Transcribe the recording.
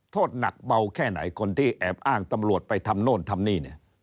โทษหนักเบาแค่ไหนคนที่แอบอ้างตำรวจไปทำโน่นทำนี่เนี่ย